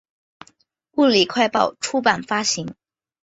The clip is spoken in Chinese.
有时会通过缓冲内存映射设备的输出应对总线竞争。